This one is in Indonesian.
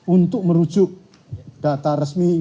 untuk merujuk data resmi